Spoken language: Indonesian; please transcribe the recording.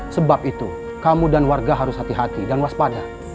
sebab itu kamu dan warga harus hati hati dan waspada